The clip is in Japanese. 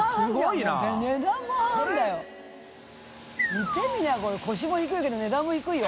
見てみなよ